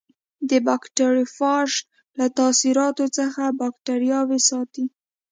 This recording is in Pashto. د بکټریوفاژ له تاثیراتو څخه باکتریاوې ساتي.